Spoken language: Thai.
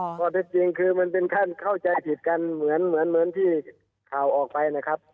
ข้อเท็จจริงคือมันเป็นขั้นเข้าใจผิดกันเหมือนที่ข่าวออกไปนะครับ